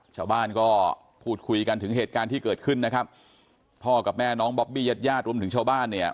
ชาวบ้านก็พูดคุยกันถึงเหตุการณ์ที่เกิดขึ้นนะครับพ่อกับแม่น้องบอบบี้ญาติญาติรวมถึงชาวบ้านเนี่ย